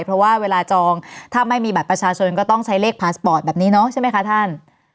เพราะว่าเวลาจองถ้าไม่มีบัตรประชาชนก็ต้องใช้เลขพาสปอร์ตแบบนี้เนาะใช่ไหมคะท่าน